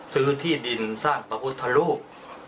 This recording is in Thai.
ที่ดินสร้างพระพุทธรูป